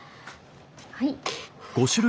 はい。